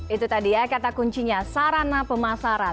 itu tadi ya kata kuncinya sarana pemasaran